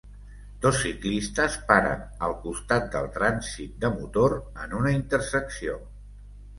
Dos ciclistes paren al costat del trànsit de motor en una intersecció.